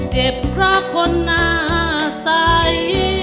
เจ็บพระคนนาสาย